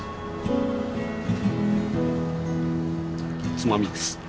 つまみです。